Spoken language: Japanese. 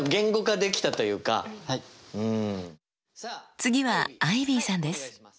次はアイビーさんです。